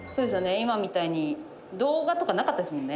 今みたいに動画とかなかったですもんね。